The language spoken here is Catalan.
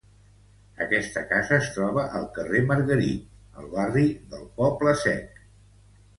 Aquesta casa es troba al carrer Margarit, al barri del Poble Sec.